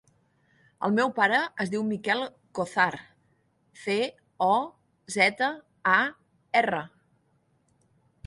El meu pare es diu Miquel Cozar: ce, o, zeta, a, erra.